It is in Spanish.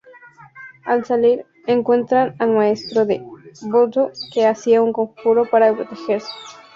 Al salir, encuentran al maestro de Voodoo que hacía un conjuro para protegerse.